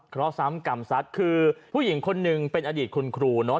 เพราะซ้ำกรรมสัตว์คือผู้หญิงคนหนึ่งเป็นอดีตคุณครูเนอะ